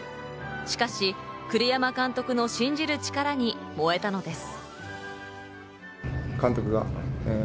しかし栗山監督の信じる力に燃えたのです。